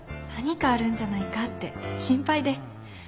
何かあるんじゃないかって心配で。